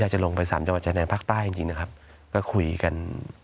จะลงไปสามจังหวัดชายแดนภาคใต้จริงจริงนะครับก็คุยกัน